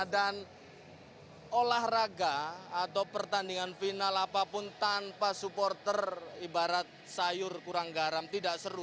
dan olahraga atau pertandingan final apapun tanpa supporter ibarat sayur kurang garam tidak seru